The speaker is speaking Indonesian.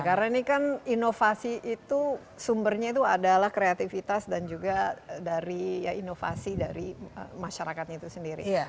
karena ini kan inovasi itu sumbernya itu adalah kreativitas dan juga dari ya inovasi dari masyarakat itu sendiri